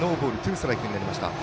ストライクになりました。